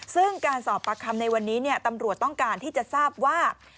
ซึ่งการสอบปากคำในวันนี้ตำรวจต้องการที่จะทราบว่า